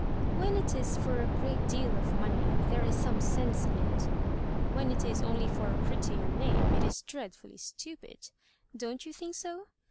''* When it is for a great deal of money there is some sense in it; when it is only for a prettier name it is dreadfully stupid. Don't you think so